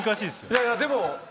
いやいやでも。